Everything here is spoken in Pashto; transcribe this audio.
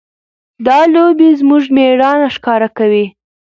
دا لوبې زموږ مېړانه ښکاره کوي.